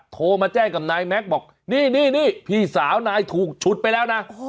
โทรมาแจ้งกับนายแม็กซ์บอกนี่พี่สาวนายถูกฉุดไปแล้วนะ